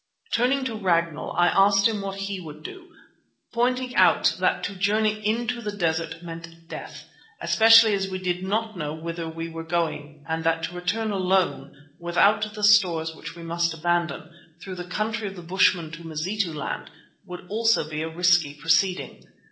Turning to Ragnall, I asked him what he would do, pointing out that to journey into the desert meant death, especially as we did not know whither we were going, and that to return alone, without the stores which we must abandon, through the country of the bushmen to Mazituland, would also be a risky proceeding.